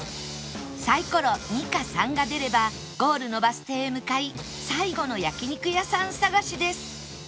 サイコロ２か３が出ればゴールのバス停へ向かい最後の焼肉屋さん探しです